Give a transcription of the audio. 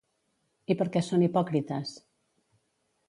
I per què són hipòcrites?